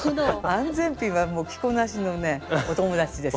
安全ピンは着こなしのねお友達です。